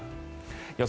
予想